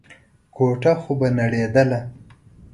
کوټه خو به نړېدله.